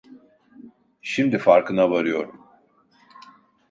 Şimdi farkına varıyorum…